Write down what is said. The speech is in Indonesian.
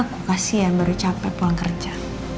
aku kasian baru capek pulang kerja